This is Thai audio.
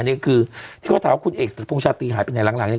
นี่คือที่เขาถามว่าคุณเอกพงษาตีหายไปไหนหลังเนี่ย